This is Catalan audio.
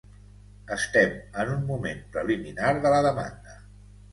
Estem en un moment preliminar de la demanda